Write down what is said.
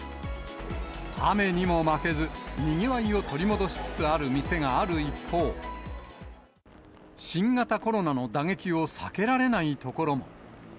雨にも負けず、にぎわいを取り戻しつつある店がある一方、新型コロナの打撃を避けられない所も。